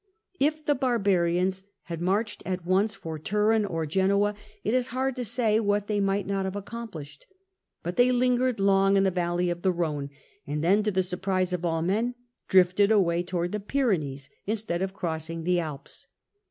If the barbarians had marched at once for Turin or Genoa, it is hard to say what they might not have accomplishei But they lingered long in the valley of the Rhone, and then, to the surprise of all men, drifted away towards the Pyrenees instead of crossing the Alps.